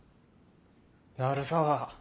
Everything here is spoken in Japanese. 鳴沢。